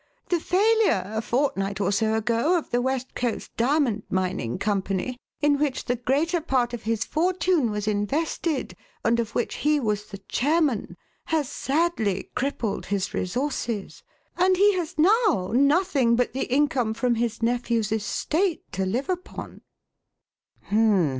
The failure, a fortnight or so ago, of the West Coast Diamond Mining Company, in which the greater part of his fortune was invested and of which he was the chairman, has sadly crippled his resources, and he has now nothing but the income from his nephew's estate to live upon."